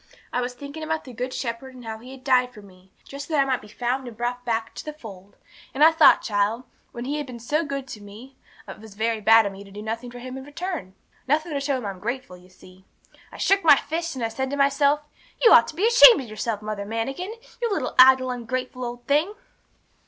I was thinking about the Good Shepherd, and how He had died for me, just that I might be found and brought back to the fold. And I thought, child, when He had been so good to me, it was very bad of me to do nothing for Him in return; nothing to show Him I'm grateful, you see. I shook my fist, and I said to myself, You ought to be ashamed of yourself, Mother Manikin! you little idle, ungrateful old thing!